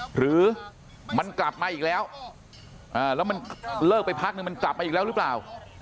หรือมันกลับมาอีกแล้วแล้วมันเลิกไปพักนึงมันกลับมาอีกแล้วหรือเปล่า